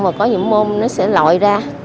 và có những môn nó sẽ lọi ra